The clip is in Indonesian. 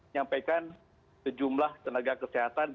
nyampaikan sejumlah tenaga kesehatan dua ratus tujuh puluh sembilan